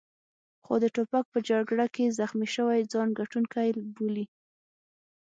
خو د توپک په جګړه کې زخمي شوي ځان ګټونکی بولي.